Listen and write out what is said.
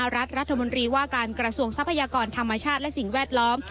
รัฐรัฐมนตรีว่าการกระทรวงทรัพยากรธรรมชาติและสิ่งแวดล้อม